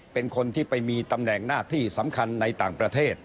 เป็นคนที่ไปมีตำแหน่งหน้าที่สำคัญในต่างประเทศ